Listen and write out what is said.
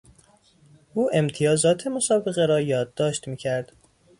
او امتیازات مسابقه را یادداشت میکرد.